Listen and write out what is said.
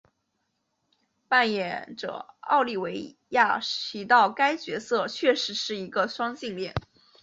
扮演者奥利维亚提到该角色确实是一个双性恋。